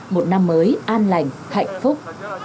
một năm mới an lành hạnh phúc